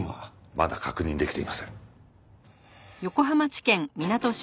まだ確認できていません。